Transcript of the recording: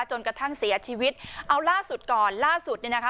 จนกระทั่งเสียชีวิตเอาล่าสุดก่อนล่าสุดเนี่ยนะคะ